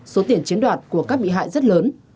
số tiền chiếm đoạt của các bị hại rất lớn